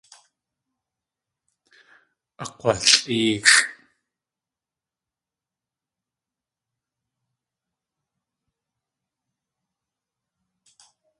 Akg̲walʼéexʼ.